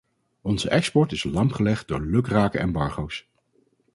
Onze export is lamgelegd door lukrake embargo' s.